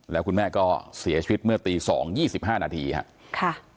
แล้วคุณแม่ก็เสียชีวิตเมื่อตี๒๒๕นาทีครับ